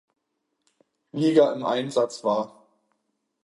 Liga im Einsatz war.